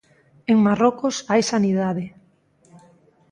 En Marrocos hai sanidade.